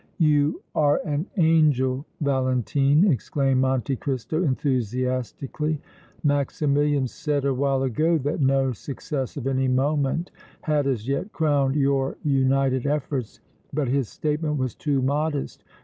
"You are an angel, Valentine!" exclaimed Monte Cristo, enthusiastically. "Maximilian said awhile ago that no success of any moment had as yet crowned your united efforts, but his statement was too modest.